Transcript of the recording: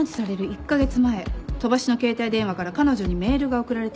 １カ月前飛ばしの携帯電話から彼女にメールが送られています。